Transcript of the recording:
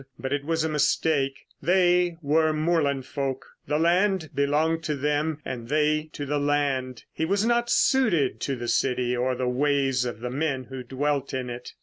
But it was a mistake. They were moorland folk. The land belonged to them and they to the land. He was not suited to the city or the ways of the men who dwelt in it.